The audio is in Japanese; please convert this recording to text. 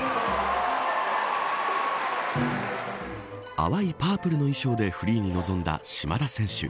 淡いパープルの衣装でフリーに臨んだ島田選手。